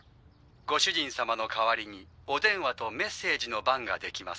ご主人様の代わりにお電話とメッセージの番ができます。